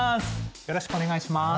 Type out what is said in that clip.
よろしくお願いします。